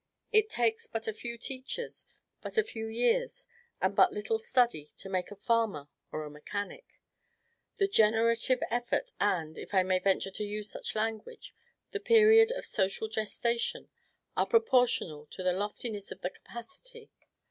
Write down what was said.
It takes but few teachers, but few years, and but little study, to make a farmer or a mechanic: the generative effort and if I may venture to use such language the period of social gestation are proportional to the loftiness of the capacity.